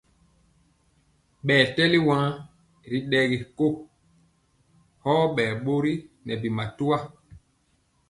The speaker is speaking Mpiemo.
Ɓɛ tɛli wan ri ɗɛgi ko, ɔ ɓɛɛ ɓori nɛ bi matwa.